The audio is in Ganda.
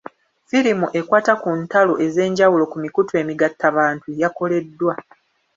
Firimu ekwata ku ntalo ez'enjawulo ku mikutu emigattabantu yakoleddwa.